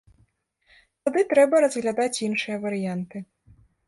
Тады трэба разглядаць іншыя варыянты.